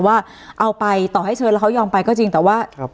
ว่าเอาไปต่อให้เชิญแล้วเขายอมไปก็จริงแต่ว่า